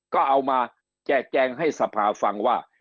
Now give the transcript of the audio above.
ก็เอามาแจกแจงให้สภาฟังว่า